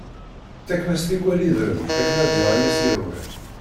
Ttaken-as tikwal idrem akken ad yaɣ i as-yehwan.